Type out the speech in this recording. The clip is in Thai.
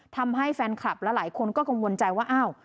ทำให้แฟนคลับหลายคนก็กังวลใจว่า